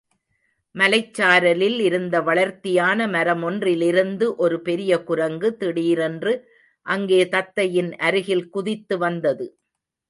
மலைச்சாரலில் இருந்த வளர்த்தியான மரமொன்றிலிருந்து ஒரு பெரிய குரங்கு திடீரென்று அங்கே தத்தையின் அருகில் குதித்து வந்தது.